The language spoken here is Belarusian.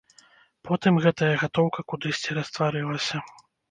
Потым гэтая гатоўка кудысьці растварылася.